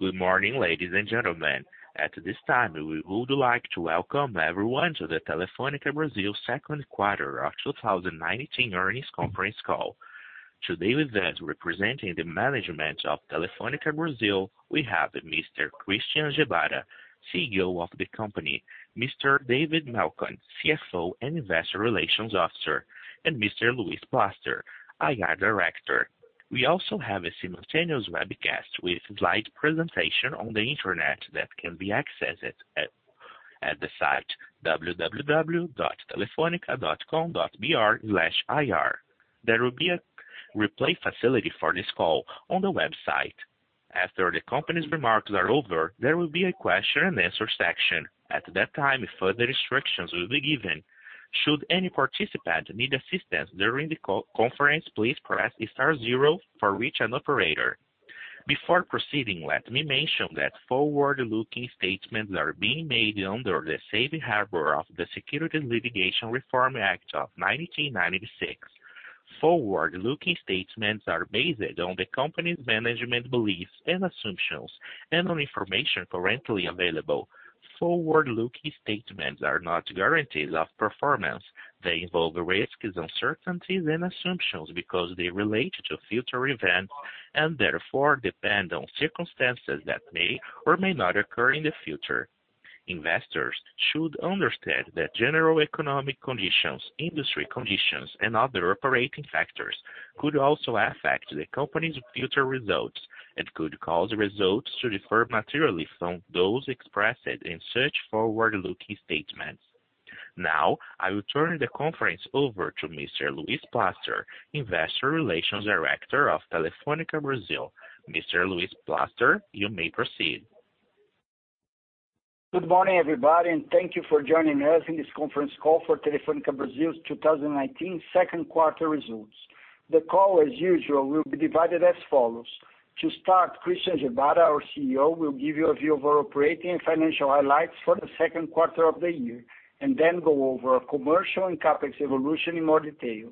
Good morning, ladies and gentlemen. At this time, we would like to welcome everyone to the Telefônica Brasil second quarter of 2019 earnings conference call. Today with us representing the management of Telefônica Brasil, we have Mr. Christian Gebara, CEO of the company, Mr. David Melcon, CFO and Investor Relations Officer, and Mr. Luis Plaster, IR director. We also have a simultaneous webcast with slide presentation on the internet that can be accessed at the site www.telefonica.com.br/ir. There will be a replay facility for this call on the website. After the company's remarks are over, there will be a question and answer section. At that time, further instructions will be given. Should any participant need assistance during the conference, please press star zero to reach an operator. Before proceeding, let me mention that forward-looking statements are being made under the safe harbor of the Private Securities Litigation Reform Act of 1995. Forward-looking statements are based on the company's management beliefs and assumptions and on information currently available. Forward-looking statements are not guarantees of performance. They involve risks, uncertainties, and assumptions because they relate to future events and therefore depend on circumstances that may or may not occur in the future. Investors should understand that general economic conditions, industry conditions, and other operating factors could also affect the company's future results and could cause results to differ materially from those expressed in such forward-looking statements. Now, I will turn the conference over to Mr. Luis Plaster, Investor Relations Director of Telefônica Brasil. Mr. Luis Plaster, you may proceed. Good morning, everybody, and thank you for joining us in this conference call for Telefônica Brasil's 2019 second quarter results. The call, as usual, will be divided as follows. To start, Christian Gebara, our CEO, will give you a view of our operating and financial highlights for the second quarter of the year, and then go over our commercial and CapEx evolution in more detail.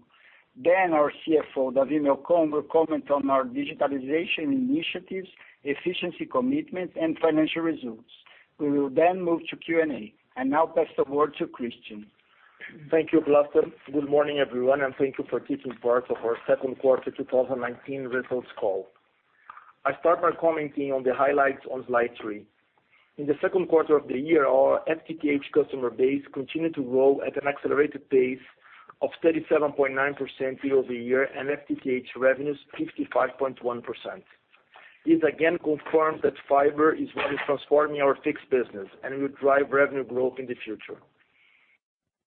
Our CFO, David Melcon, will comment on our digitalization initiatives, efficiency commitments, and financial results. We will then move to Q&A. I now pass the word to Christian. Thank you, Plaster. Good morning, everyone, and thank you for taking part of our second quarter 2019 results call. I start by commenting on the highlights on slide three. In the second quarter of the year, our FTTH customer base continued to grow at an accelerated pace of 37.9% year-over-year and FTTH revenues 55.1%. This again confirms that fiber is what is transforming our fixed business and will drive revenue growth in the future.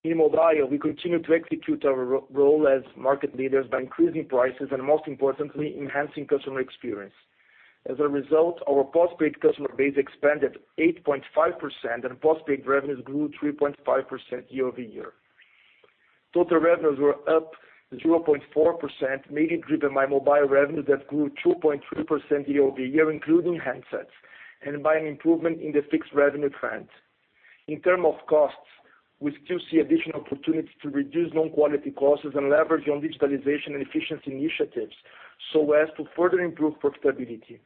In mobile, we continue to execute our role as market leaders by increasing prices and most importantly, enhancing customer experience. As a result, our postpaid customer base expanded 8.5% and postpaid revenues grew 3.5% year-over-year. Total revenues were up 0.4%, mainly driven by mobile revenues that grew 2.2% year-over-year, including handsets, and by an improvement in the fixed revenue trend. In terms of costs, we still see additional opportunities to reduce non-quality costs and leverage on digitalization and efficiency initiatives so as to further improve profitability.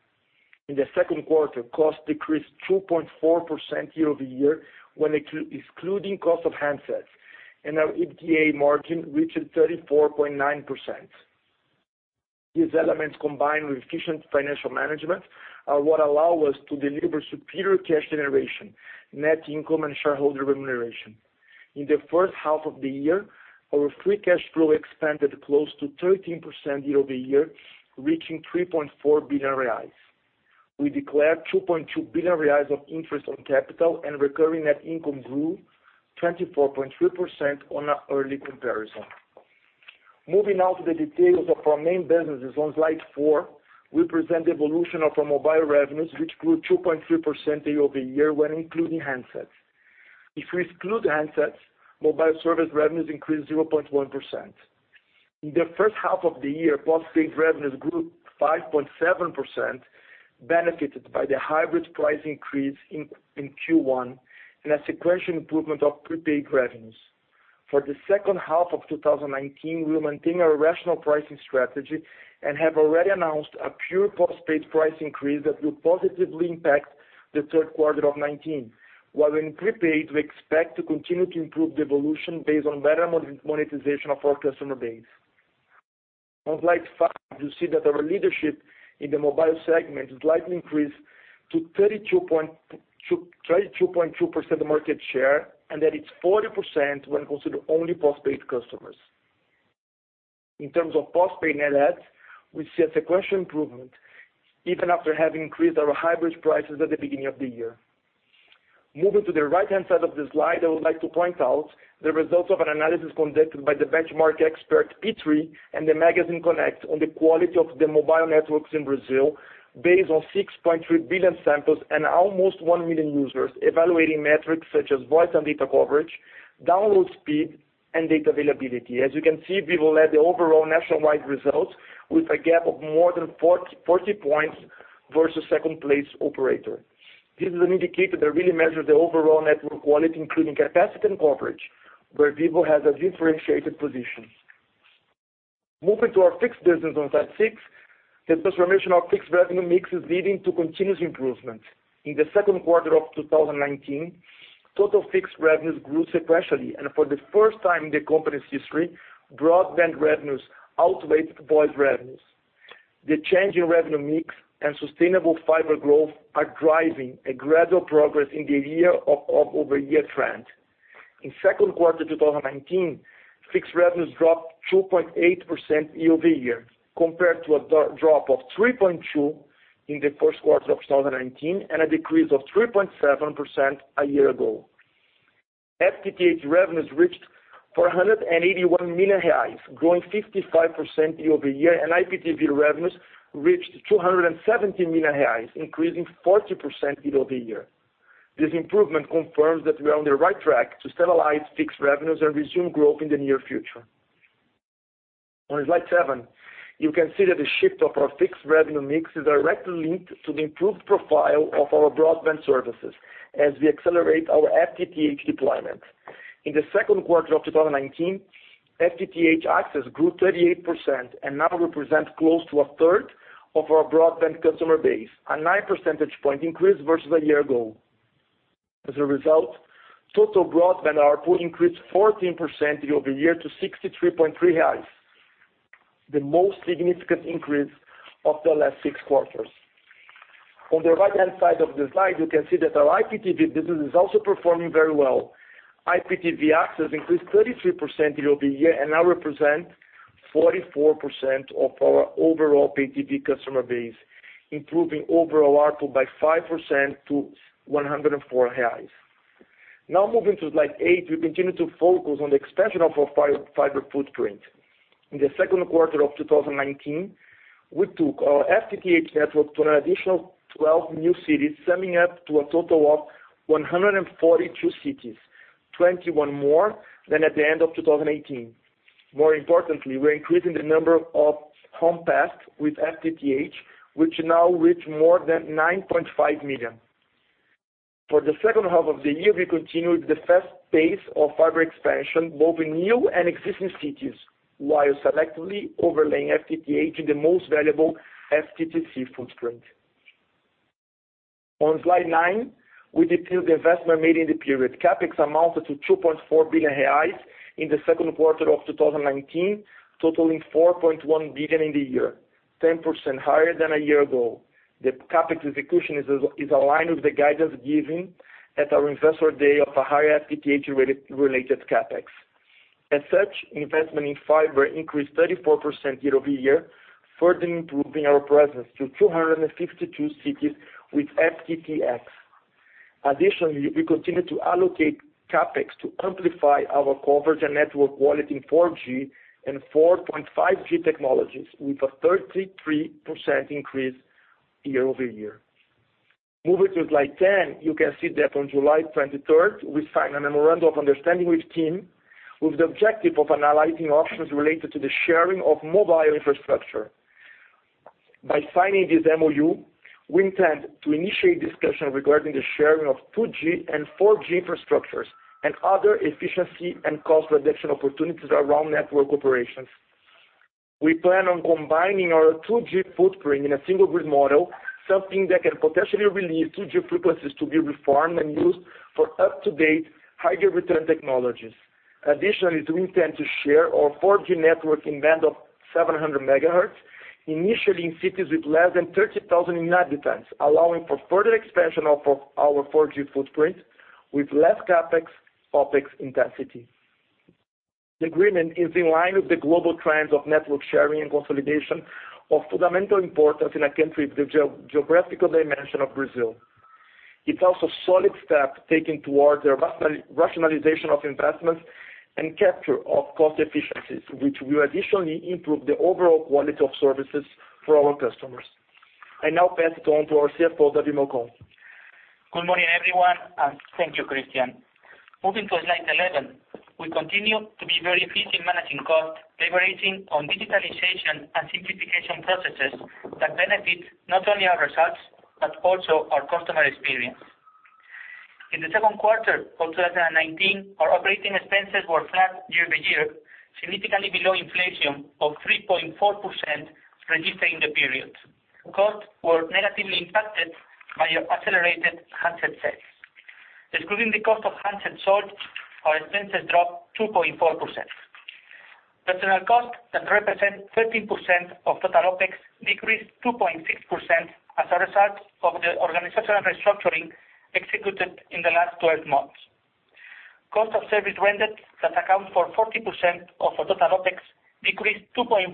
In the second quarter, costs decreased 2.4% year-over-year when excluding the cost of handsets, and our EBITDA margin reached 34.9%. These elements, combined with efficient financial management, are what allow us to deliver superior cash generation, net income, and shareholder remuneration. In the first half of the year, our free cash flow expanded close to 13% year-over-year, reaching 3.4 billion reais. We declared 2.2 billion reais of interest on capital, and recurring net income grew 24.3% on an early comparison. Moving now to the details of our main businesses on slide four, we present the evolution of our mobile revenues, which grew 2.3% year-over-year when including handsets. If we exclude handsets, mobile service revenues increased 0.1%. In the first half of the year, postpaid revenues grew 5.7%, benefited by the hybrid price increase in Q1 and a sequential improvement of prepaid revenues. For the second half of 2019, we'll maintain a rational pricing strategy and have already announced a pure postpaid price increase that will positively impact the third quarter of 2019. While in prepaid, we expect to continue to improve the evolution based on better monetization of our customer base. On slide five, you see that our leadership in the mobile segment slightly increased to 32.2% market share, and that it's 40% when considered only postpaid customers. In terms of postpaid net adds, we see a sequential improvement even after having increased our hybrid prices at the beginning of the year. Moving to the right-hand side of the slide, I would like to point out the results of an analysis conducted by the benchmark expert P3 and the magazine connect on the quality of the mobile networks in Brazil based on 6.3 billion samples and almost 1 million users evaluating metrics such as voice and data coverage, download speed, and data availability. As you can see, Vivo led the overall nationwide results with a gap of more than 40 points versus second-place operator. This is an indicator that really measures the overall network quality, including capacity and coverage, where Vivo has a differentiated position. Moving to our fixed business on slide six, the transformation of fixed revenue mix is leading to continuous improvement. In the second quarter of 2019, total fixed revenues grew sequentially, and for the first time in the company's history, broadband revenues outweighed voice revenues. The change in revenue mix and sustainable fiber growth are driving a gradual progress in the year-over-year trend. In second quarter 2019, fixed revenues dropped 2.8% year-over-year, compared to a drop of 3.2% in the first quarter of 2019, and a decrease of 3.7% a year ago. FTTH revenues reached 481 million reais, growing 55% year-over-year, and IPTV revenues reached 270 million reais, increasing 40% year-over-year. This improvement confirms that we are on the right track to stabilize fixed revenues and resume growth in the near future. On slide seven, you can see that the shift of our fixed revenue mix is directly linked to the improved profile of our broadband services as we accelerate our FTTH deployment. In the second quarter of 2019, FTTH access grew 38% and now represents close to a third of our broadband customer base, a nine percentage point increase versus a year ago. As a result, total broadband ARPU increased 14% year-over-year to 63.3, the most significant increase of the last six quarters. On the right-hand side of the slide, you can see that our IPTV business is also performing very well. IPTV access increased 33% year-over-year and now represents 44% of our overall PTV customer base, improving overall ARPU by 5% to 104 reais. Moving to slide eight, we continue to focus on the expansion of our fiber footprint. In the second quarter of 2019, we took our FTTH network to an additional 12 new cities, summing up to a total of 142 cities, 21 more than at the end of 2018. More importantly, we're increasing the number of home passed with FTTH, which now reach more than 9.5 million. For the second half of the year, we continued the fast pace of fiber expansion, both in new and existing cities, while selectively overlaying FTTH in the most valuable FTTC footprint. On slide nine, we detail the investment made in the period. CapEx amounted to 2.4 billion reais in the second quarter of 2019, totaling 4.1 billion in the year, 10% higher than a year ago. The CapEx execution is aligned with the guidance given at our investor day of a higher FTTH-related CapEx. As such, investment in fiber increased 34% year-over-year, further improving our presence to 252 cities with FTTX. Additionally, we continue to allocate CapEx to amplify our coverage and network quality in 4G and 4.5G technologies with a 33% increase year-over-year. Moving to slide 10, you can see that on July 23rd, we signed a memorandum of understanding with TIM with the objective of analyzing options related to the sharing of mobile infrastructure. Signing this MOU, we intend to initiate discussion regarding the sharing of 2G and 4G infrastructures and other efficiency and cost reduction opportunities around network operations. We plan on combining our 2G footprint in a single grid model, something that can potentially release 2G frequencies to be reformed and used for up-to-date, higher return technologies. Additionally, we intend to share our 4G network in band of 700 megahertz, initially in cities with less than 30,000 inhabitants, allowing for further expansion of our 4G footprint with less CapEx, OpEx intensity. The agreement is in line with the global trends of network sharing and consolidation of fundamental importance in a country with the geographical dimension of Brazil. It's also solid step taken towards the rationalization of investments and capture of cost efficiencies, which will additionally improve the overall quality of services for our customers. I now pass it on to our CFO, David Melcon. Good morning, everyone, and thank you, Christian. Moving to slide 11, we continue to be very efficient in managing costs, leveraging on digitalization and simplification processes that benefit not only our results, but also our customer experience. In the second quarter of 2019, our operating expenses were flat year-over-year, significantly below inflation of 3.4% registered in the period. Costs were negatively impacted by accelerated handset sales. Excluding the cost of handsets sold, our expenses dropped 2.4%. Personnel costs that represent 13% of total OpEx decreased 2.6% as a result of the organizational restructuring executed in the last 12 months. Cost of service rendered that account for 40% of our total OpEx decreased 2.4%,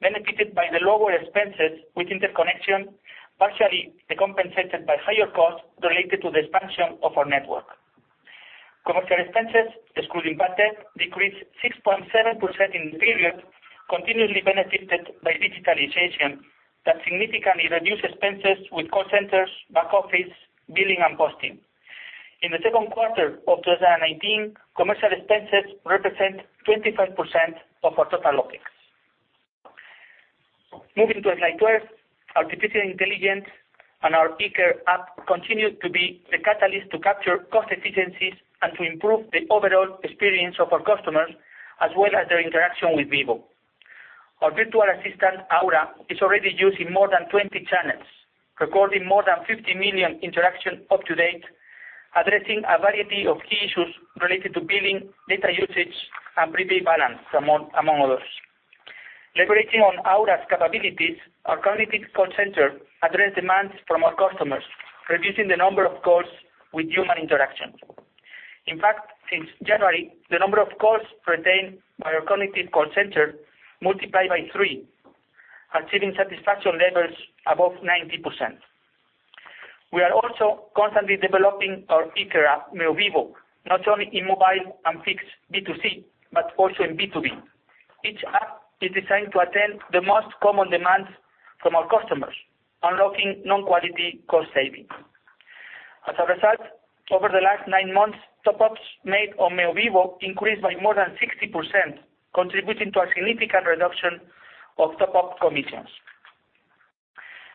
benefited by the lower expenses with interconnection, partially decompensated by higher costs related to the expansion of our network. Commercial expenses, excluding handsets, decreased 6.7% in the period, continually benefited by digitalization that significantly reduced expenses with call centers, back office, billing, and posting. In the second quarter of 2019, commercial expenses represent 25% of our total OpEx. Moving to slide 12, artificial intelligence and our eCare app continue to be the catalyst to capture cost efficiencies and to improve the overall experience of our customers, as well as their interaction with Vivo. Our virtual assistant, Aura, is already used in more than 20 channels, recording more than 50 million interactions up to date, addressing a variety of key issues related to billing, data usage, and prepaid balance, among others. Leveraging on Aura's capabilities, our cognitive call center address demands from our customers, reducing the number of calls with human interaction. In fact, since January, the number of calls retained by our cognitive call center multiplied by three, achieving satisfaction levels above 90%. We are also constantly developing our eCare app, Meu Vivo, not only in mobile and fixed B2C, but also in B2B. Each app is designed to attend the most common demands from our customers, unlocking non-quality cost saving. As a result, over the last nine months, top-ups made on Meu Vivo increased by more than 60%, contributing to a significant reduction of top-up commissions.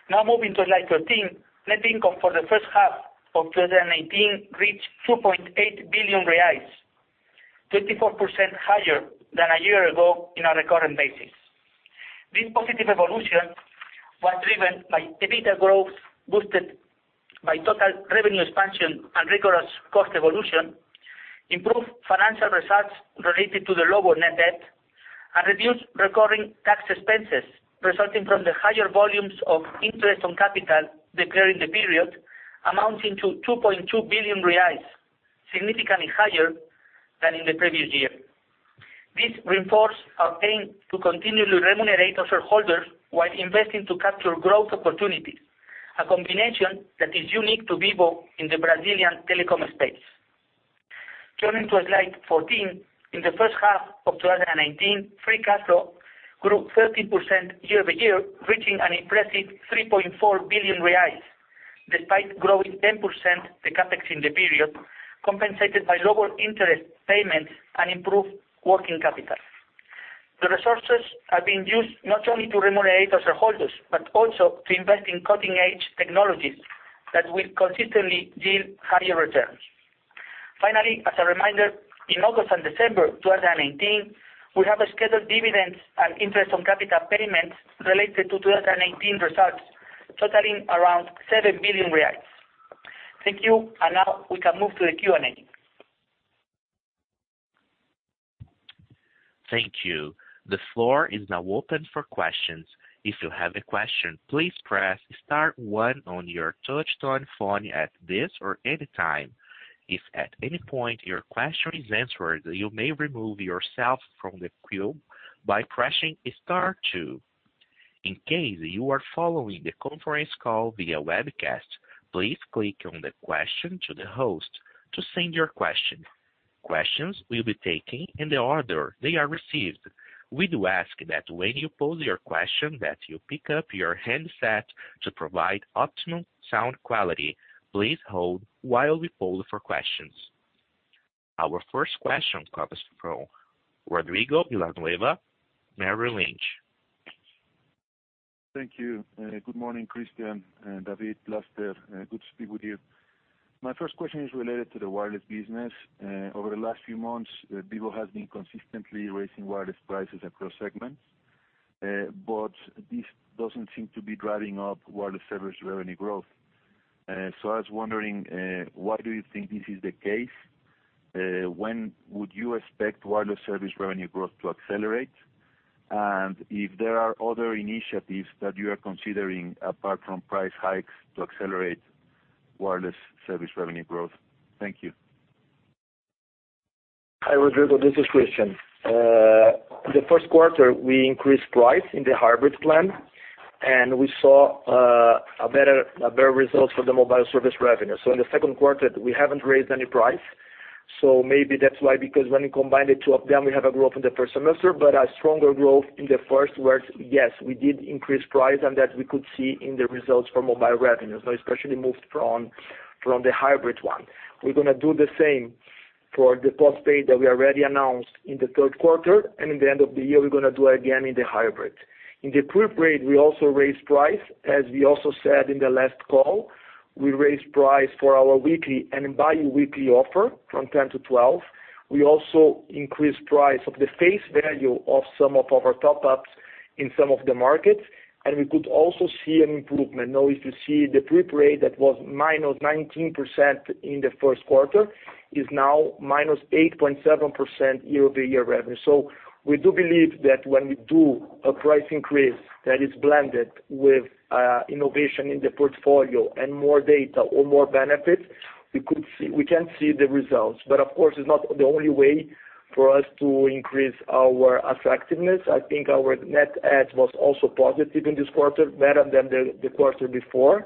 Moving to slide 13, net income for the first half of 2019 reached 2.8 billion reais, 24% higher than a year ago in a recurrent basis. This positive evolution was driven by EBITDA growth, boosted by total revenue expansion and rigorous cost evolution, improved financial results related to the lower net debt, and reduced recurring tax expenses resulting from the higher volumes of interest on capital declared in the period, amounting to 2.2 billion reais, significantly higher than in the previous year. This reinforces our aim to continually remunerate our shareholders while investing to capture growth opportunities, a combination that is unique to Vivo in the Brazilian telecom space. Turning to slide 14, in the first half of 2019, free cash flow grew 13% year-over-year, reaching an impressive 3.4 billion reais. Despite growing 10% the CapEx in the period, compensated by lower interest payments and improved working capital. The resources are being used not only to remunerate our shareholders, but also to invest in cutting-edge technologies that will consistently yield higher returns. Finally, as a reminder, in August and December 2019, we have scheduled dividends and interest on capital payments related to 2019 results totaling around 7 billion reais. Thank you, and now we can move to the Q&A. Thank you. The floor is now open for questions. If you have a question, please press star one on your touch-tone phone at this or any time. If at any point your question is answered, you may remove yourself from the queue by pressing star two. In case you are following the conference call via webcast, please click on the question to the host to send your question. Questions will be taken in the order they are received. We do ask that when you pose your question that you pick up your handset to provide optimum sound quality. Please hold while we poll for questions. Our first question comes from Rodrigo Villanueva, Merrill Lynch. Thank you. Good morning, Christian and David, Plaster. Good to speak with you. My first question is related to the wireless business. Over the last few months, Vivo has been consistently raising wireless prices across segments. This doesn't seem to be driving up wireless service revenue growth. I was wondering, why do you think this is the case? When would you expect wireless service revenue growth to accelerate? If there are other initiatives that you are considering apart from price hikes to accelerate wireless service revenue growth. Thank you. Hi, Rodrigo. This is Christian. In the first quarter, we increased price in the hybrid plan, and we saw a better result for the mobile service revenue. In the second quarter, we haven't raised any price. Maybe that's why, because when you combine the two of them, we have a growth in the first semester, but a stronger growth in the first where, yes, we did increase price, and that we could see in the results for mobile revenue, especially moved from the hybrid one. We're going to do the same for the postpaid that we already announced in the third quarter. In the end of the year, we're going to do again in the hybrid. In the prepaid, we also raised price, as we also said in the last call. We raised price for our weekly and biweekly offer from 10 to 12. We also increased price of the face value of some of our top-ups in some of the markets, and we could also see an improvement. Now, if you see the prepaid that was -19% in the first quarter, is now -8.7% year-over-year revenue. We do believe that when we do a price increase that is blended with innovation in the portfolio and more data or more benefits, we can see the results. Of course, it's not the only way for us to increase our attractiveness. I think our net add was also positive in this quarter, better than the quarter before.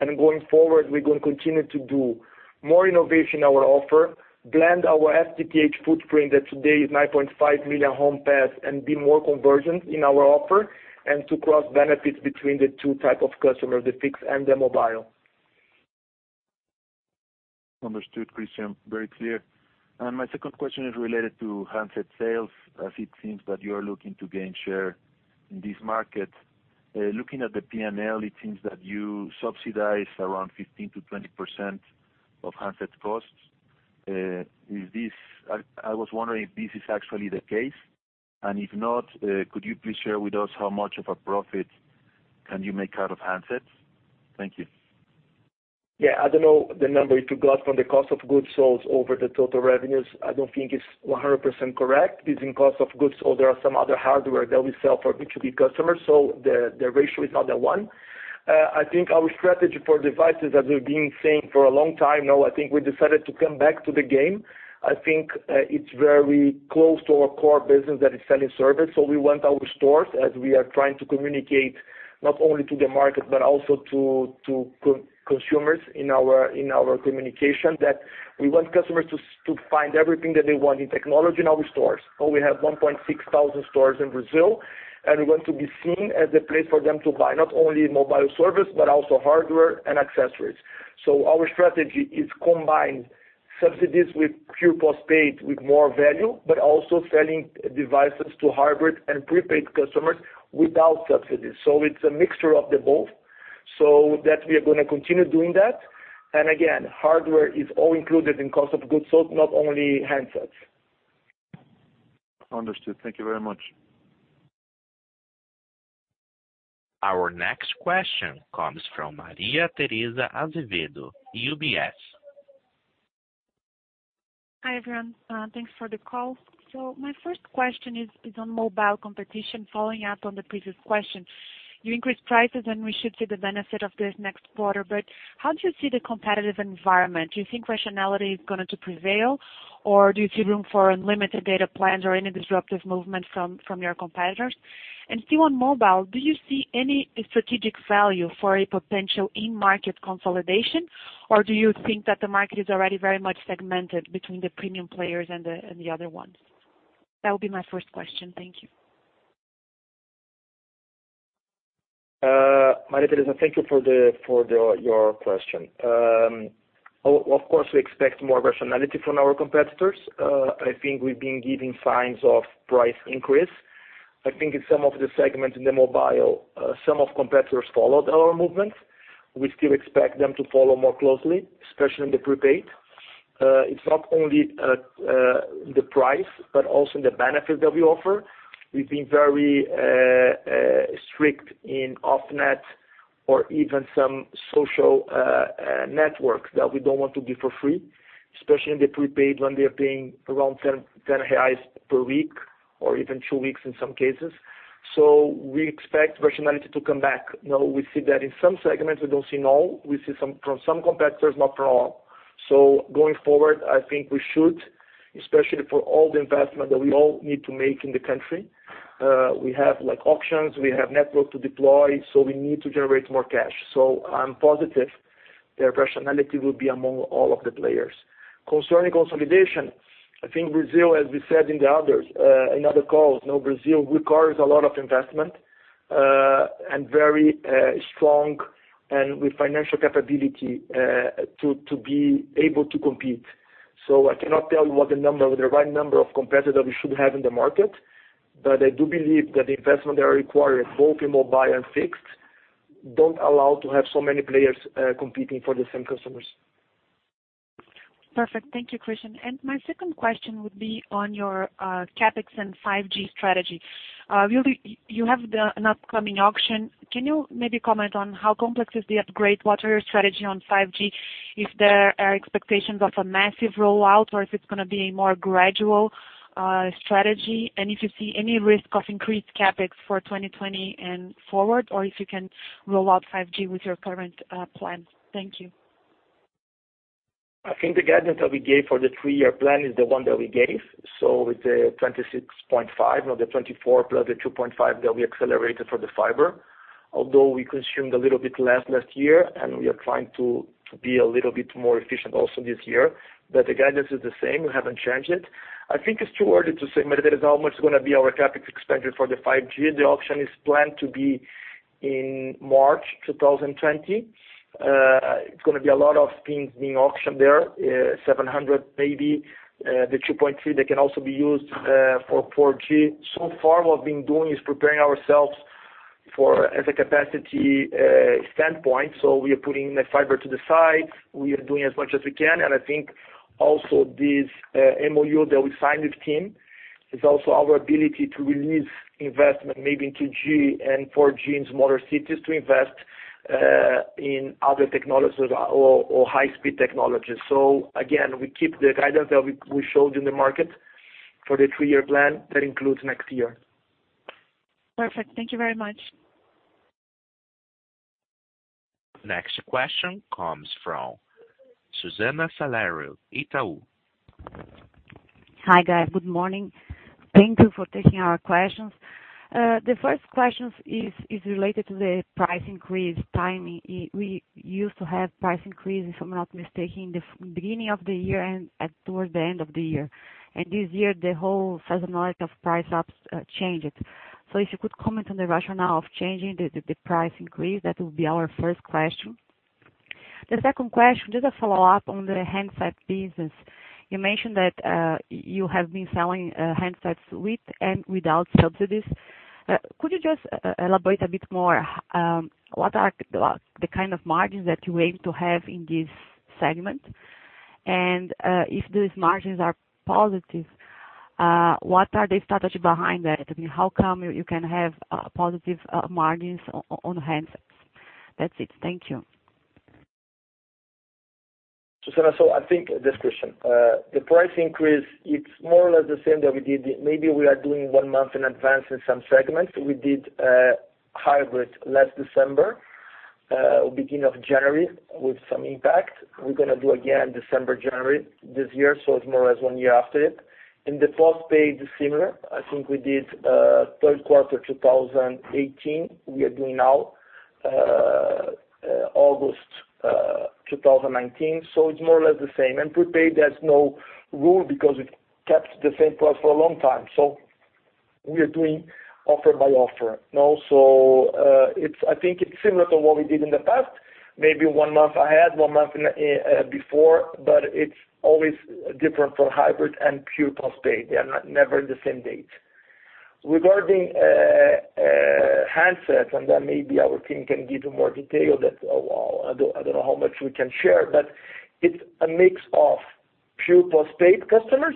Going forward, we're going to continue to do more innovation in our offer, blend our FTTH footprint that today is 9.5 million home passed, and be more convergent in our offer, and to cross benefits between the 2 type of customers, the fixed and the mobile. Understood, Christian. Very clear. My second question is related to handset sales, as it seems that you're looking to gain share in this market. Looking at the P&L, it seems that you subsidize around 15%-20% of handset costs. I was wondering if this is actually the case, and if not, could you please share with us how much of a profit can you make out of handsets? Thank you. Yeah. I don't know the number you took out from the cost of goods sold over the total revenues. I don't think it's 100% correct. It's in cost of goods, there are some other hardware that we sell for B2B customers, the ratio is not that one. I think our strategy for devices, as we've been saying for a long time now, I think we decided to come back to the game. I think it's very close to our core business that is selling service. We want our stores, as we are trying to communicate, not only to the market, but also to consumers in our communication, that we want customers to find everything that they want in technology in our stores. We have 1,600 stores in Brazil, and we want to be seen as the place for them to buy, not only mobile service, but also hardware and accessories. Our strategy is combine subsidies with pure postpaid with more value, but also selling devices to hybrid and prepaid customers without subsidies. It's a mixture of the both, so that we are going to continue doing that. Again, hardware is all included in cost of goods sold, not only handsets. Understood. Thank you very much. Our next question comes from Maria Tereza Azevedo, UBS. Hi, everyone. Thanks for the call. My first question is on mobile competition, following up on the previous question. You increased prices, and we should see the benefit of this next quarter, but how do you see the competitive environment? Do you think rationality is going to prevail, or do you see room for unlimited data plans or any disruptive movement from your competitors? Still on mobile, do you see any strategic value for a potential in-market consolidation, or do you think that the market is already very much segmented between the premium players and the other ones? That would be my first question. Thank you. Maria Tereza, thank you for your question. Of course, we expect more rationality from our competitors. I think we've been giving signs of price increase. I think in some of the segments in the mobile, some of competitors followed our movements. We still expect them to follow more closely, especially in the prepaid. It's not only the price, but also the benefit that we offer. We've been very strict in off-net or even some social networks that we don't want to give for free, especially in the prepaid, when they're paying around 10 reais per week or even two weeks in some cases. We expect rationality to come back. We see that in some segments, we don't see in all. We see from some competitors, not for all. Going forward, I think we should, especially for all the investment that we all need to make in the country. We have auctions, we have network to deploy, so we need to generate more cash. I'm positive that rationality will be among all of the players. Concerning consolidation, I think Brazil, as we said in other calls, now Brazil requires a lot of investment, and very strong and with financial capability to be able to compete. I cannot tell you what the right number of competitors we should have in the market. I do believe that the investment that are required, both in mobile and fixed, don't allow to have so many players competing for the same customers. Perfect. Thank you, Christian. My second question would be on your CapEx and 5G strategy. You have an upcoming auction. Can you maybe comment on how complex is the upgrade? What are your strategy on 5G? If there are expectations of a massive rollout or if it's going to be a more gradual strategy? If you see any risk of increased CapEx for 2020 and forward, or if you can roll out 5G with your current plan? Thank you. I think the guidance that we gave for the three-year plan is the one that we gave. It's 26.5, now the 24 plus the 2.5 that we accelerated for the fiber. Although we consumed a little bit less last year, and we are trying to be a little bit more efficient also this year. The guidance is the same. We haven't changed it. I think it's too early to say, Maria Tereza, how much is going to be our CapEx expenditure for the 5G. The auction is planned to be in March 2020. It's going to be a lot of things being auctioned there, 700 maybe. The 2.3, they can also be used for 4G. So far, what we've been doing is preparing ourselves as a capacity standpoint. We are putting the fiber to the side. We are doing as much as we can. I think also this MOU that we signed with TIM is also our ability to release investment maybe in 2G and 4G in smaller cities to invest in other technologies or high-speed technologies. Again, we keep the guidance that we showed in the market for the three-year plan. That includes next year. Perfect. Thank you very much. Next question comes from Susana Salaru, Itaú. Hi, guys. Good morning. Thank you for taking our questions. The first question is related to the price increase timing. We used to have price increases, if I'm not mistaken, the beginning of the year and towards the end of the year. This year, the whole seasonality of price ups changed. If you could comment on the rationale of changing the price increase, that will be our first question. The second question, just a follow-up on the handset business. You mentioned that you have been selling handsets with and without subsidies. Could you just elaborate a bit more? What are the kind of margins that you aim to have in this segment? If those margins are positive, what are the strategy behind that? I mean, how come you can have positive margins on handsets? That's it. Thank you. Susana, I think this question. The price increase, it's more or less the same that we did. Maybe we are doing one month in advance in some segments. We did hybrid last December or beginning of January with some impact. We're going to do again December, January this year. It's more or less one year after it. In the postpaid, it's similar. I think we did third quarter 2018. We are doing now, August 2019. It's more or less the same. Prepaid, there's no rule because it kept the same price for a long time. We are doing offer by offer. I think it's similar to what we did in the past, maybe one month ahead, one month before, but it's always different for hybrid and pure postpaid. They are never the same date. Regarding handsets, maybe our team can give you more detail that, well, I don't know how much we can share, it's a mix of pure postpaid customers,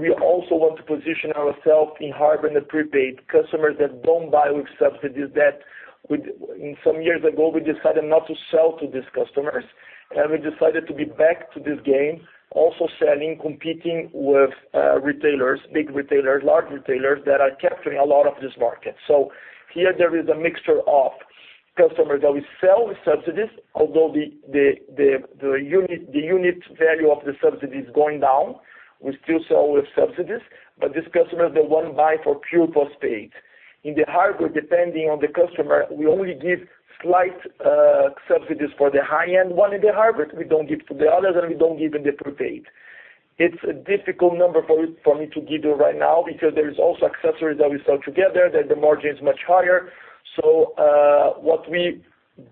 we also want to position ourselves in hybrid and prepaid customers that don't buy with subsidies that some years ago, we decided not to sell to these customers. We decided to be back to this game, also selling, competing with retailers, big retailers, large retailers that are capturing a lot of this market. Here, there is a mixture of customers that we sell with subsidies. Although the unit value of the subsidy is going down, we still sell with subsidies. These customers, they won't buy for pure postpaid. In the hybrid, depending on the customer, we only give slight subsidies for the high-end one in the hybrid. We don't give to the others. We don't give in the prepaid. It's a difficult number for me to give you right now because there is also accessories that we sell together, that the margin is much higher. What we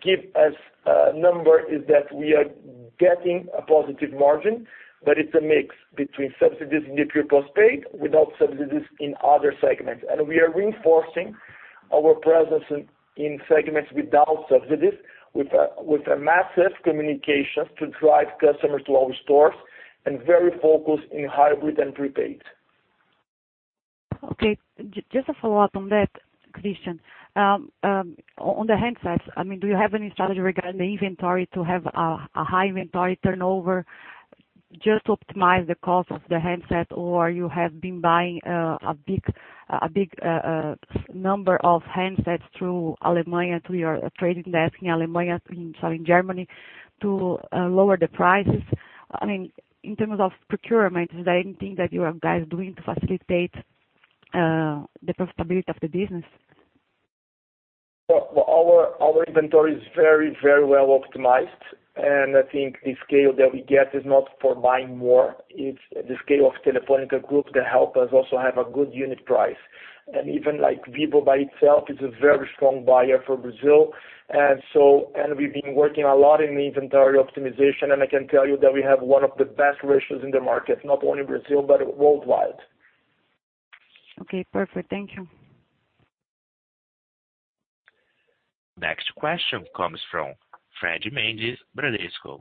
give as a number is that we are getting a positive margin, but it's a mix between subsidies in the pure postpaid without subsidies in other segments. We are reinforcing our presence in segments without subsidies, with a massive communication to drive customers to our stores and very focused in hybrid and prepaid. Okay. Just a follow-up on that, Christian. On the handsets, do you have any strategy regarding the inventory to have a high inventory turnover just to optimize the cost of the handset, or you have been buying a big number of handsets through Alemania, through your trading desk in Alemania, in southern Germany, to lower the prices? In terms of procurement, is there anything that you guys are doing to facilitate the profitability of the business? Our inventory is very well optimized, and I think the scale that we get is not for buying more. It's the scale of Telefónica Group that help us also have a good unit price. Even like Vivo by itself, it's a very strong buyer for Brazil. We've been working a lot in inventory optimization, and I can tell you that we have one of the best ratios in the market, not only in Brazil, but worldwide. Okay, perfect. Thank you. Next question comes from Fred Mendes, Bradesco.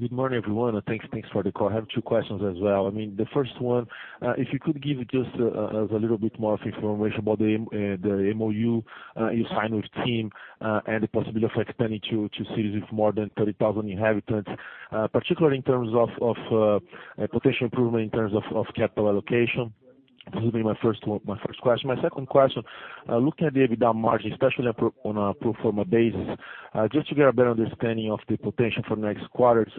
Good morning, everyone. Thanks for the call. I have two questions as well. The first one, if you could give just a little bit more of information about the MOU you signed with TIM and the possibility of expanding to cities with more than 30,000 inhabitants, particularly in terms of potential improvement in terms of capital allocation. This will be my first question. My second question, looking at the EBITDA margin, especially on a pro forma basis, just to get a better understanding of the potential for the next quarters.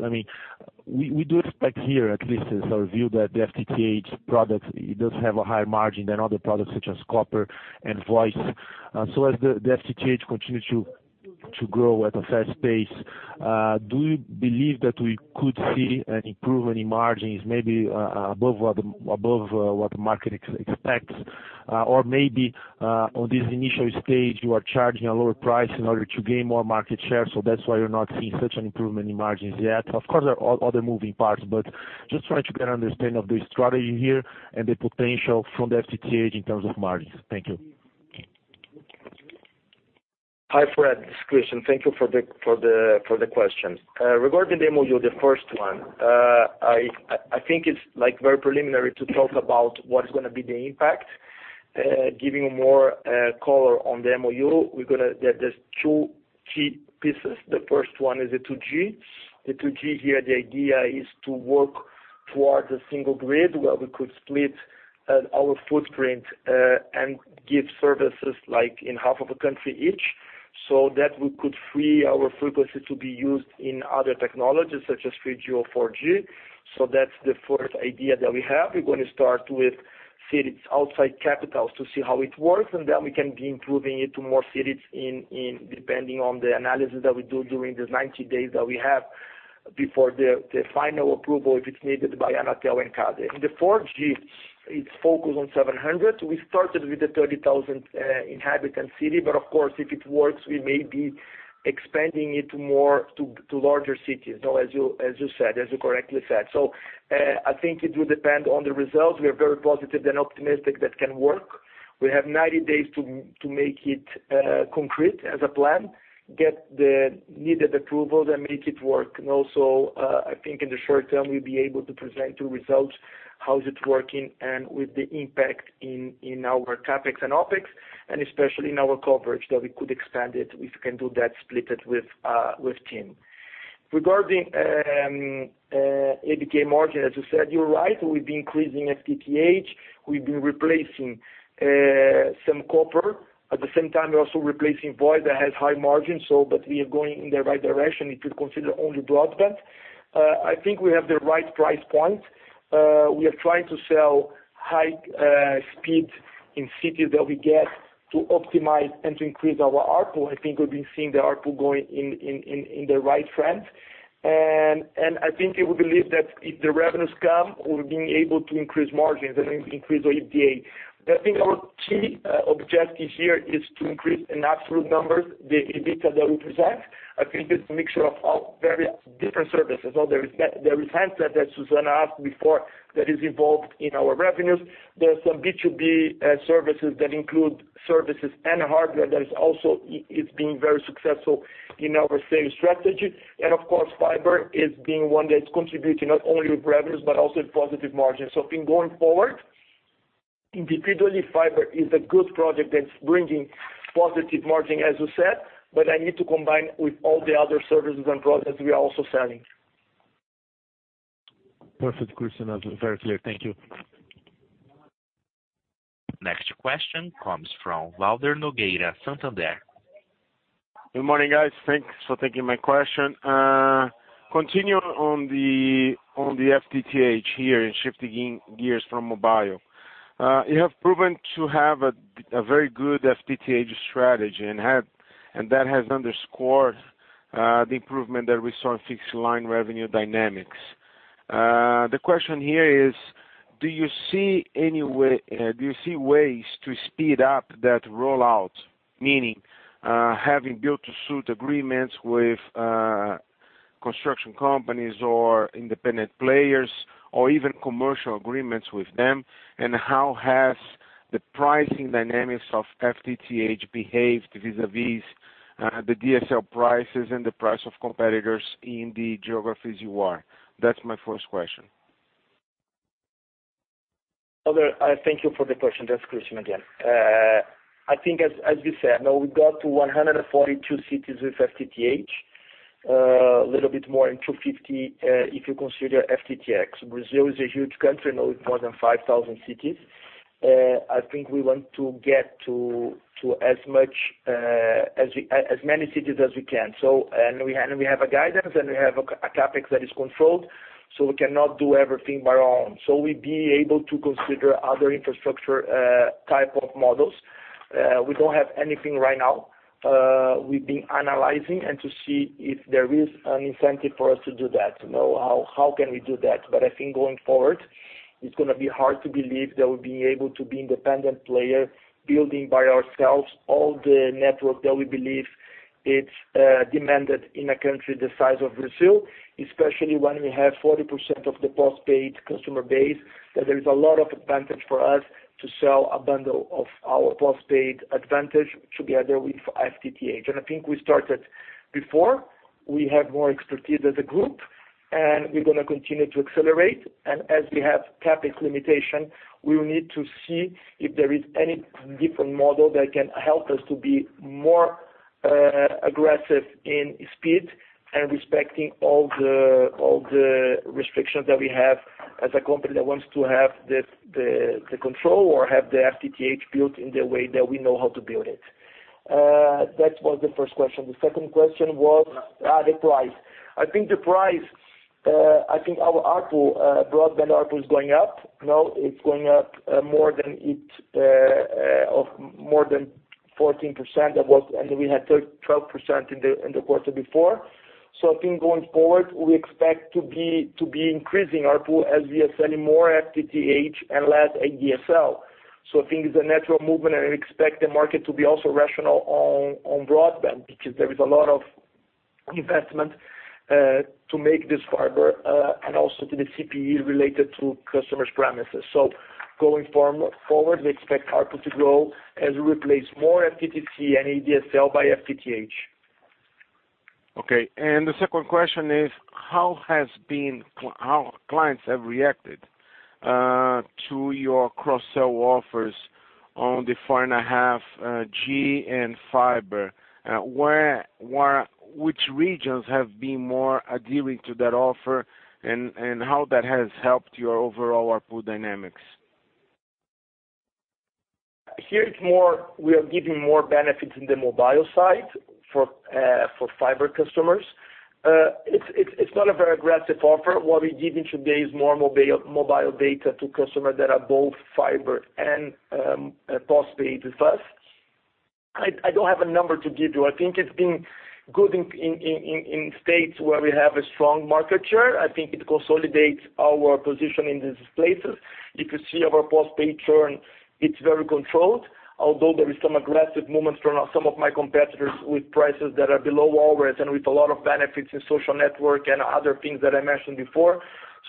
We do expect here, at least as our view, that the FTTH product does have a higher margin than other products such as copper and voice. As the FTTH continues to grow at a fast pace, do you believe that we could see an improvement in margins, maybe above what the market expects? Maybe, on this initial stage, you are charging a lower price in order to gain more market share. That's why you're not seeing such an improvement in margins yet. There are other moving parts. Just trying to get an understanding of the strategy here and the potential from the FTTH in terms of margins. Thank you. Hi, Fred. This is Christian. Thank you for the question. Regarding the MOU, the first one, I think it's very preliminary to talk about what's going to be the impact. Giving more color on the MOU, there's two key pieces. The first one is the 2G. The 2G here, the idea is to work towards a single grid where we could split our footprint, and give services in half of a country each, so that we could free our frequency to be used in other technologies, such as 3G or 4G. That's the first idea that we have. We're going to start with cities outside capitals to see how it works, then we can be improving it to more cities depending on the analysis that we do during the 90 days that we have. Before the final approval, if it's needed by Anatel and CADE. In the 4G, it's focused on 700. We started with the 30,000 inhabitant city, but of course, if it works, we may be expanding it more to larger cities, as you correctly said. I think it will depend on the results. We are very positive and optimistic that can work. We have 90 days to make it concrete as a plan, get the needed approvals, and make it work. Also, I think in the short term, we'll be able to present the results, how it's working, and with the impact in our CapEx and OpEx, and especially in our coverage, that we could expand it, if we can do that, split it with TIM. Regarding EBITDA margin, as you said, you're right. We've been increasing FTTH. We've been replacing some copper. At the same time, we're also replacing voice that has high margin, but we are going in the right direction if you consider only broadband. I think we have the right price point. We are trying to sell high speed in cities that we get to optimize and to increase our ARPU. I think we've been seeing the ARPU going in the right trend, and I think you will believe that if the revenues come, we'll be able to increase margins and increase the EBITDA. I think our key objective here is to increase in absolute numbers the EBITDA that we present. I think it's a mixture of all various different services. There is handset that Susana asked before that is involved in our revenues. There are some B2B services that include services and hardware that is also being very successful in our same strategy. Of course, fiber is being one that's contributing not only with revenues but also with positive margins. I think going forward, individually, fiber is a good project that's bringing positive margin, as you said, but I need to combine with all the other services and products we are also selling. Perfect, Christian. Very clear. Thank you. Next question comes from Valder Nogueira, Santander. Good morning, guys. Thanks for taking my question. Continuing on the FTTH here and shifting gears from mobile. You have proven to have a very good FTTH strategy, and that has underscored the improvement that we saw in fixed-line revenue dynamics. The question here is, do you see ways to speed up that rollout, meaning having built-to-suit agreements with construction companies or independent players or even commercial agreements with them? How has the pricing dynamics of FTTH behaved vis-à-vis the DSL prices and the price of competitors in the geographies you are? That's my first question. Valder, thank you for the question. That's Christian again. I think as we said, now we got to 142 cities with FTTH, a little bit more in 250 if you consider FTTX. Brazil is a huge country, now with more than 5,000 cities. I think we want to get to as many cities as we can. We have a guidance, and we have a CapEx that is controlled, so we cannot do everything by our own. We'd be able to consider other infrastructure type of models. We don't have anything right now. We've been analyzing and to see if there is an incentive for us to do that, how can we do that? I think going forward, it's going to be hard to believe that we'll be able to be independent player building by ourselves all the network that we believe it's demanded in a country the size of Brazil, especially when we have 40% of the postpaid customer base, that there is a lot of advantage for us to sell a bundle of our postpaid advantage together with FTTH. I think we started before. We have more expertise as a group, and we're going to continue to accelerate. As we have CapEx limitation, we will need to see if there is any different model that can help us to be more aggressive in speed and respecting all the restrictions that we have as a company that wants to have the control or have the FTTH built in the way that we know how to build it. That was the first question. The second question was the price. I think the price, I think our broadband ARPU is going up. Now it's going up more than 14%, and we had 12% in the quarter before. I think going forward, we expect to be increasing ARPU as we are selling more FTTH and less ADSL. I think it's a natural movement, and I expect the market to be also rational on broadband, because there is a lot of investment to make this fiber, and also to the CPE related to customer's premises. Going forward, we expect ARPU to grow as we replace more FTTC and ADSL by FTTH. Okay. The second question is, how clients have reacted to your cross-sell offers on the 4.5G and fiber. Which regions have been more adhering to that offer, and how that has helped your overall ARPU dynamics? Here, we are giving more benefits in the mobile side for fiber customers. It's not a very aggressive offer. What we're giving today is more mobile data to customers that are both fiber and postpaid with us. I don't have a number to give you. I think it's been good in states where we have a strong market share. I think it consolidates our position in these places. If you see our postpaid churn, it's very controlled. Although there is some aggressive movements from some of my competitors with prices that are below ours and with a lot of benefits in social network and other things that I mentioned before.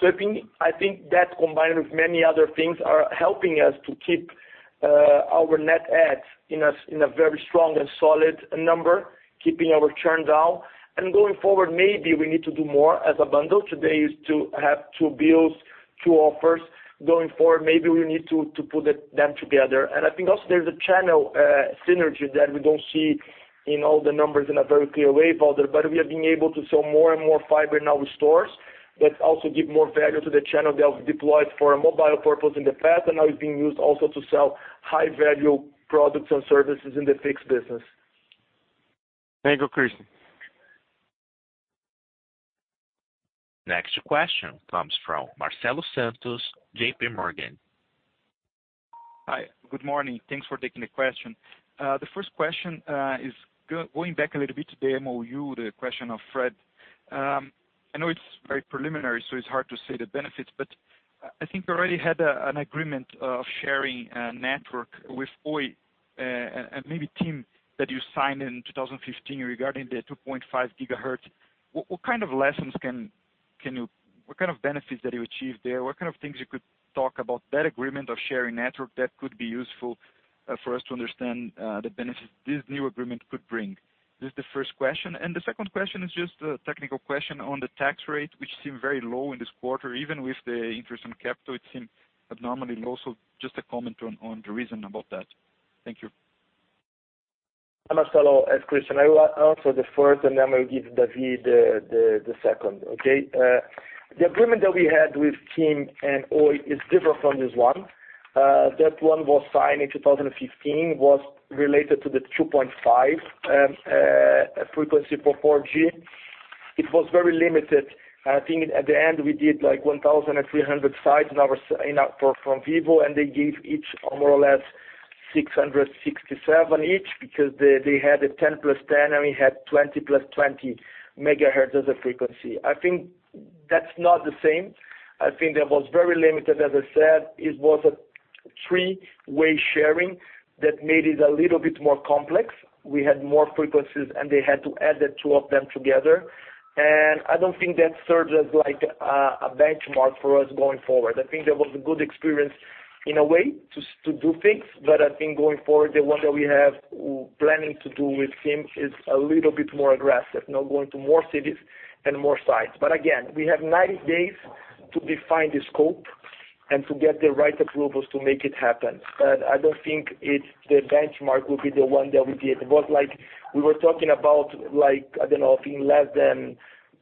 I think that, combined with many other things, are helping us to keep our net adds in a very strong and solid number, keeping our churn down. Going forward, maybe we need to do more as a bundle. Today is to have two bills, two offers. Going forward, maybe we need to put them together. I think also there's a channel synergy that we don't see in all the numbers in a very clear way, Valder. We have been able to sell more and more fiber in our stores, that also give more value to the channel that was deployed for a mobile purpose in the past and now is being used also to sell high-value products and services in the fixed business. Thank you, Christian. Next question comes from Marcelo Santos, J.P. Morgan. Hi. Good morning. Thanks for taking the question. The first question is going back a little bit to the MOU, the question of Fred. I know it's very preliminary, so it's hard to see the benefits, but I think you already had an agreement of sharing a network with Oi, and maybe TIM, that you signed in 2015 regarding the 2.5 gigahertz. What kind of benefits did you achieve there? What kind of things you could talk about that agreement of sharing network that could be useful for us to understand the benefits this new agreement could bring? This is the first question. The second question is just a technical question on the tax rate, which seem very low in this quarter. Even with the interest on capital, it seem abnormally low. Just a comment on the reason about that. Thank you. Hi, Marcelo. It's Christian. I will answer the first, and then I'll give David the second, okay? The agreement that we had with TIM and Oi is different from this one. That one was signed in 2015, was related to the 2.5 frequency for 4G. It was very limited. I think at the end, we did 1,300 sites in our, from Vivo, and they gave each more or less 667 each because they had a 10 plus 10, and we had 20 plus 20 megahertz as a frequency. I think that's not the same. I think that was very limited. As I said, it was a three-way sharing that made it a little bit more complex. We had more frequencies, and they had to add the two of them together. I don't think that serves as a benchmark for us going forward. I think that was a good experience in a way to do things, but I think going forward, the one that we have planning to do with TIM is a little bit more aggressive. Now going to more cities and more sites. Again, we have 90 days to define the scope and to get the right approvals to make it happen. I don't think the benchmark will be the one that we did. It was like we were talking about, I don't know, I think less than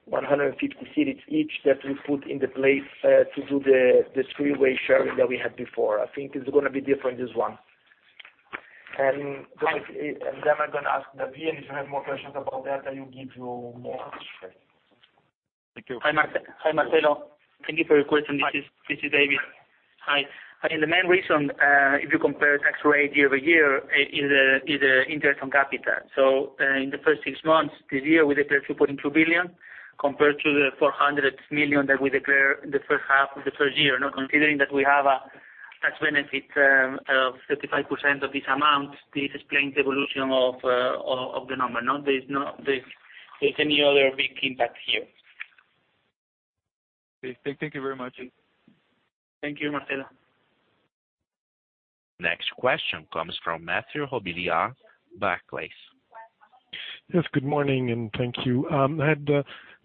150 cities each that we put in the place to do the three-way sharing that we had before. I think it's going to be different, this one. Then I'm going to ask David, if you have more questions about that, I will give you more. Thank you. Hi, Marcelo. Thank you for your question. This is David. Hi. I think the main reason, if you compare tax rate year-over-year is the interest on capital. In the first six months this year, we declared 2.2 billion, compared to the 400 million that we declare in the first half of the first year. Now, considering that we have a tax benefit of 35% of this amount, this explains the evolution of the number. There's any other big impact here. Okay. Thank you very much. Thank you, Marcelo. Next question comes from Mathieu Robilliard, Barclays. Yes, good morning, and thank you. I had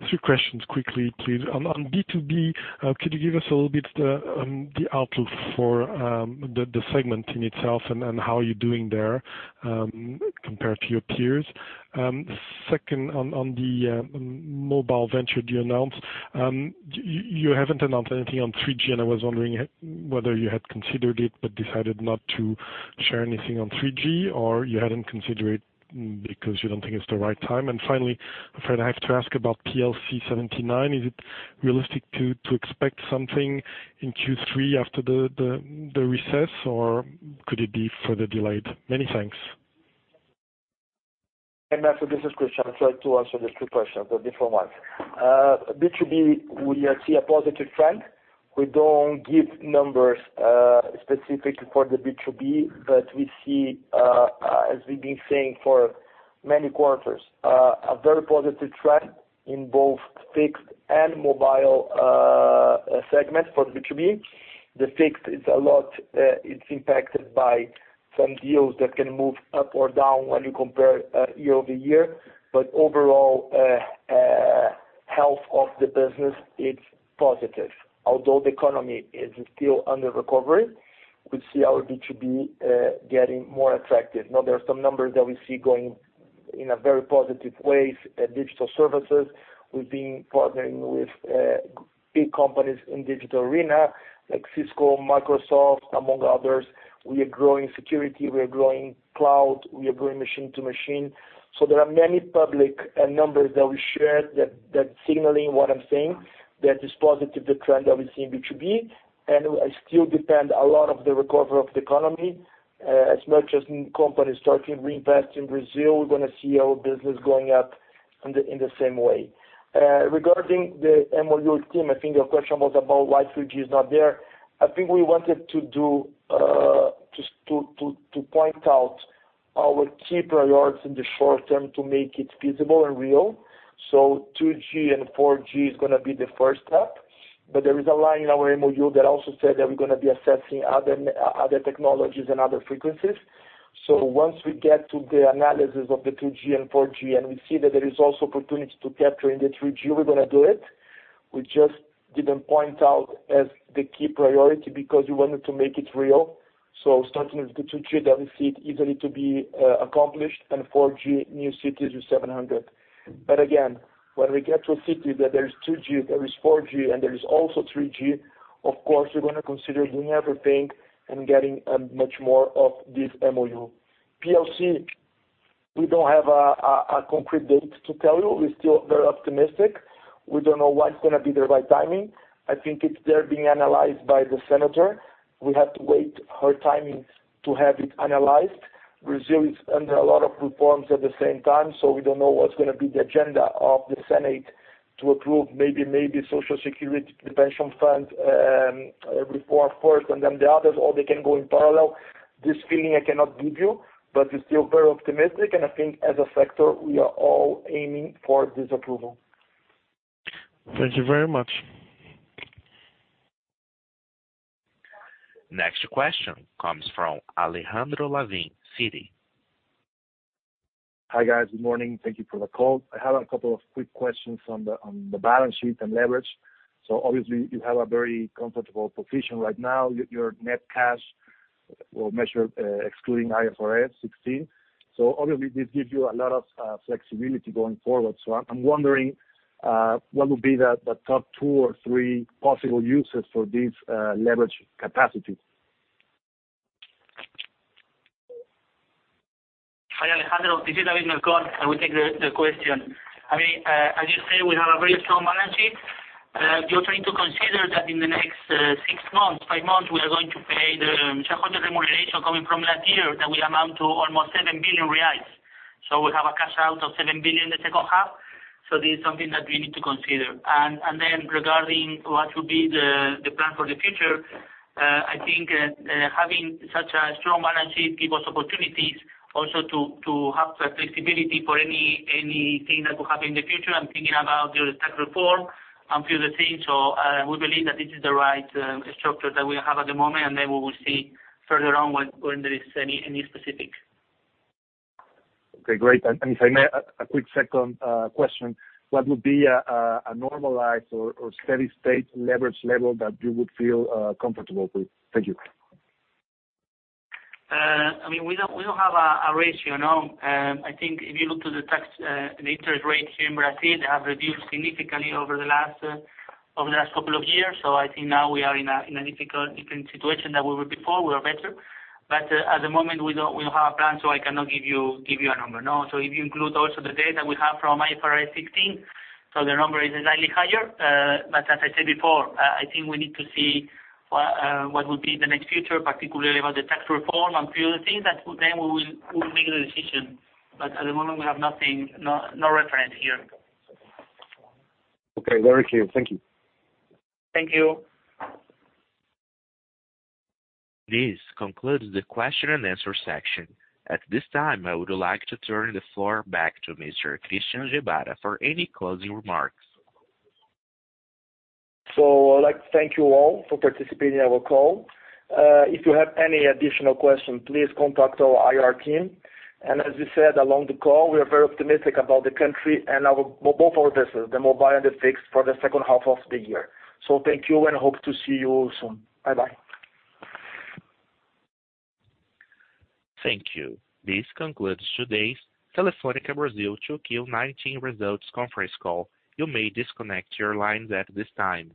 three questions quickly, please. On B2B, could you give us a little bit the outlook for the segment in itself and how you're doing there compared to your peers? Second, on the mobile venture you announced. I was wondering whether you had considered it but decided not to share anything on 3G, or you hadn't considered it because you don't think it's the right time. Finally, Fred, I have to ask about PLC 79. Is it realistic to expect something in Q3 after the recess, or could it be further delayed? Many thanks. Hey, Mathieu, this is Christian. I'll try to answer the three questions, the different ones. B2B, we see a positive trend. We don't give numbers specifically for the B2B, but we see, as we've been saying for many quarters, a very positive trend in both fixed and mobile segments for the B2B. The fixed is a lot, it's impacted by some deals that can move up or down when you compare year-over-year. Overall, health of the business, it's positive. Although the economy is still under recovery, we see our B2B getting more attractive. Now, there are some numbers that we see going in a very positive way. Digital services, we've been partnering with big companies in digital arena like Cisco, Microsoft, among others. We are growing security, we are growing cloud, we are growing machine-to-machine. There are many public numbers that we shared that's signaling what I'm saying, that is positive, the trend that we see in B2B, and I still depend a lot on the recovery of the economy. As much as companies starting reinvest in Brazil, we're going to see our business going up in the same way. Regarding the MOU team, I think your question was about why 3G is not there. We wanted to point out our key priorities in the short term to make it feasible and real. 2G and 4G is going to be the first step. There is a line in our MOU that also said that we're going to be assessing other technologies and other frequencies. Once we get to the analysis of the 2G and 4G, and we see that there is also opportunity to capture in the 3G, we're going to do it. We just didn't point out as the key priority because we wanted to make it real. Starting with the 2G, that we see it easily to be accomplished, and 4G new cities with 700. Again, when we get to a city that there is 2G, there is 4G, and there is also 3G, of course, we're going to consider doing everything and getting much more of this MOU. PLC, we don't have a concrete date to tell you. We're still very optimistic. We don't know what's going to be the right timing. I think it's there being analyzed by the senator. We have to wait her timing to have it analyzed. Brazil is under a lot of reforms at the same time, so we don't know what's going to be the agenda of the Senate to approve, maybe social security, pension funds report first, and then the others, or they can go in parallel. This feeling I cannot give you, but we're still very optimistic, and I think as a sector, we are all aiming for this approval. Thank you very much. Next question comes from Alejandro Lavin, Citi. Hi, guys. Good morning. Thank you for the call. I have a couple of quick questions on the balance sheet and leverage. Obviously you have a very comfortable position right now. Your net cash we'll measure excluding IFRS 16. Obviously this gives you a lot of flexibility going forward. I'm wondering, what would be the top two or three possible uses for this leverage capacity? Hi, Alejandro. This is David Melcon. I will take the question. As you say, we have a very strong balance sheet. You're trying to consider that in the next six months, five months, we are going to pay the shareholder remuneration coming from last year that will amount to almost 7 billion reais. We have a cash out of 7 billion in the second half. This is something that we need to consider. Regarding what will be the plan for the future, I think having such a strong balance sheet gives us opportunities also to have flexibility for anything that will happen in the future. I'm thinking about your tax reform and few other things. We believe that this is the right structure that we have at the moment, and then we will see further on when there is any specific. Okay, great. If I may, a quick second question. What would be a normalized or steady state leverage level that you would feel comfortable with? Thank you. We don't have a ratio. I think if you look to the tax and interest rate here in Brazil, they have reduced significantly over the last couple of years. I think now we are in a different situation than we were before. We are better. At the moment, we don't have a plan, so I cannot give you a number. If you include also the data we have from IFRS 16, the number is slightly higher. As I said before, I think we need to see what will be the next future, particularly about the tax reform and few other things that then we will make the decision. At the moment, we have nothing, no reference here. Okay. Very clear. Thank you. Thank you. This concludes the question and answer section. At this time, I would like to turn the floor back to Mr. Christian Gebara for any closing remarks. I'd like to thank you all for participating in our call. If you have any additional questions, please contact our IR team. As we said along the call, we are very optimistic about the country and both our business, the mobile and the fixed for the second half of the year. Thank you and hope to see you all soon. Bye-bye. Thank you. This concludes today's Telefônica Brasil 2Q 2019 results conference call. You may disconnect your lines at this time.